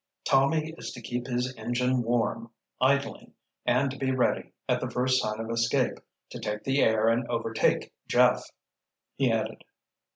"Tommy is to keep his engine warm, idling, and to be ready, at the first sign of escape, to take the air and overtake Jeff," he added.